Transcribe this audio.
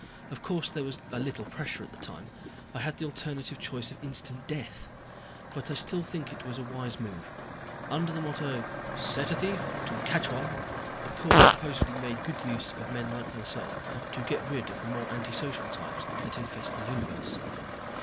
Of course there was a little pressure at the time. I had the alternative choice of instant death. But I still think it was a wise move. Under the motto "Set a thief to catch one," the Corps supposedly made good use of men like myself to get rid of the more antisocial types that infest the universe.